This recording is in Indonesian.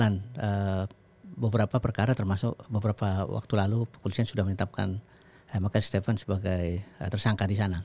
dengan beberapa perkara termasuk beberapa waktu lalu kepolisian sudah menetapkan mck stephen sebagai tersangka di sana